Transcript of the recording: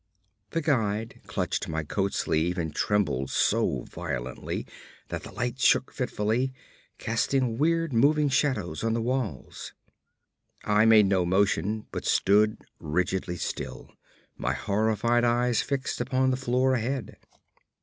The guide clutched my coat sleeve and trembled so violently that the light shook fitfully, casting weird moving shadows on the walls. I made no motion, but stood rigidly still, my horrified eyes fixed upon the floor ahead.